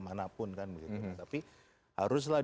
manapun kan tapi haruslah